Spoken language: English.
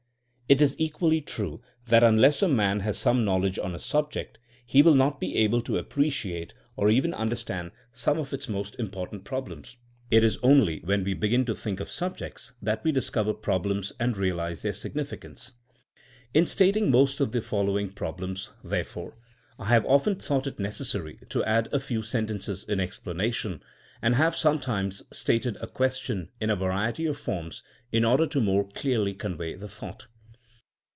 It is equally true that unless a man has some knowledge on a subject he will not be able to appreciate or even understand some of its most important problems. It is only when we begin to think of subjects that we discover prob lems and realize their significance. In stating THINEINa AS A SCIENCE 213 most of the following problems, therefore, I have often thought it necessary to add a few sentences in explanation, and have sometimes stated a question in a variety of forms in order to more clearly convey the thought.